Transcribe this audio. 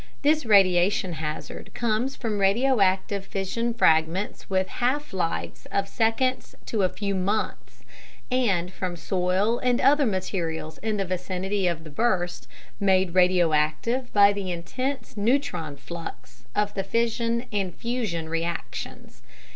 This radiation hazard comes from radioactive fission fragments with half lives of seconds to a few months, and from soil and other materials in the vicinity of the burst made radioactive by the intense neutron flux of the fission and fusion reactions.